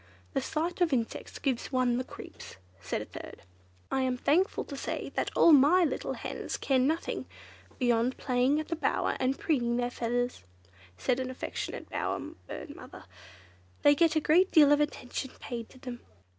"The sight of insects gives one the creeps!" said a third. "I am thankful to say all my little hens care for nothing beyond playing at the Bower and preening their feathers," said an affectionate bower bird mother. "They get a deal of attention paid to them."